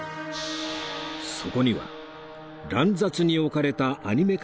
そこには乱雑に置かれたアニメ